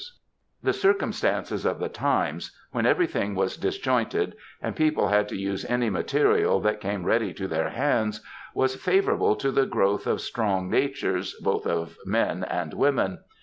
a 242 MEN, WOMEN, AND MINXES The circumstances of the times, when everything was disjointed and people had to use any material that came ready to their hands, was favourable to the growth of strong natures, both of men and women.